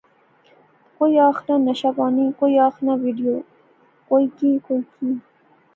کوئی آخنا نشہ پانی، کوِئی آخنا وڈیو۔۔۔ کوئی کی کوئی کی